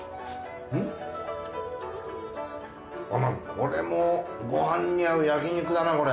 これもごはんに合う焼肉だなこれ。